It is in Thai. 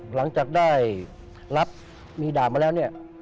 หลังจากได้รับมีด่ามาแล้วเนี่ย